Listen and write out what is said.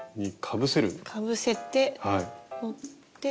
かぶせて持って。